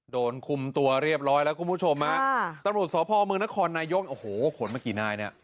โดนคุมตัวเรียบร้อยแล้วคุณผู้ชมฮะตำรวจสพเมืองนครนายกโอ้โหขนมากี่นายเนี่ย